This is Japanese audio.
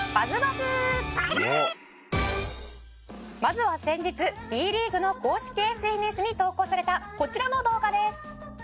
「まずは先日Ｂリーグの公式ＳＮＳに投稿されたこちらの動画です」